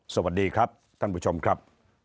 สวัสดีครับท่านผู้ชมครับ